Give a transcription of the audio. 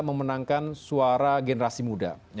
memenangkan suara generasi muda